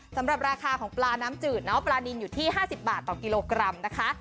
สำหรับราคาของปลาน้ำจืดเนาะปลานินอยู่ที่๕๐บาทต่อกิโลกรัมนะคะ